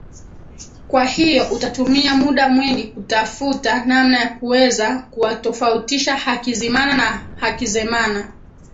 kwahiyo utatumia muda mwingi kutafuta namna ya kuweza kuwatofautisha Hakizimana na Hakizemana